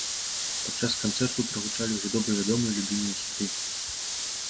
Падчас канцэрту прагучалі ўжо добра вядомыя і любімыя хіты.